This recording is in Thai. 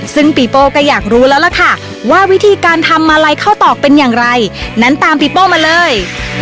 ซึ่งปีโป้ก็อยากรู้แล้วล่ะค่ะว่าวิธีการทำอะไรข้าวตอกเป็นอย่างไรนั้นตามปีโป้มาเลย